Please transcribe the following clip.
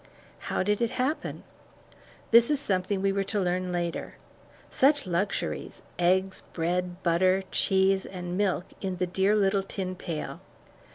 How did it happen? That is something we were to learn later. Such luxuries, eggs, bread, butter, cheese, and milk in the dear little tin pail!